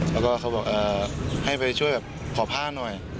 แล้วก็เขาบอกให้ไปช่วยแบบขอผ้าหน่อย